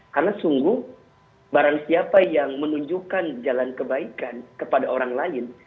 karena sungguh barang siapa yang menunjukkan jalan kebaikan kepada orang lain